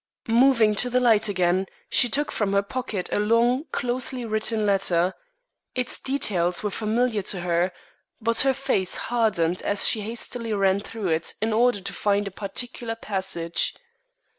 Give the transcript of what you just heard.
Moving to the light again, she took from her pocket a long, closely written letter. Its details were familiar to her, but her face hardened as she hastily ran through it in order to find a particular passage.